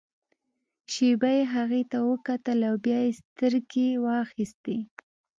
شېبه يې هغې ته وکتل او بيا يې سترګې واخيستې.